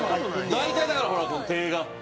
大体だから手が。